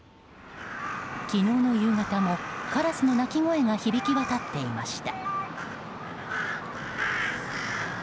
昨日の夕方もカラスの鳴き声が響き渡っていました。